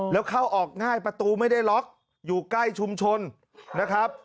แล้วเข้าออกง่ายประตูไม่ได้ล็อกอยู่ใกล้ชุมชนนะครับ